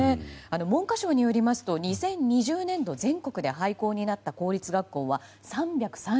文科省によりますと２０２０年度全国で廃校になった公立学校は３３５校。